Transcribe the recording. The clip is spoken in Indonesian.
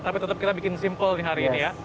tapi tetap kita bikin simple nih hari ini ya